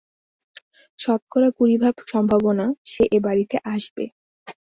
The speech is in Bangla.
শতকরা কুড়িভাগ সম্ভাবনা সে এ বাড়িতে আসবে।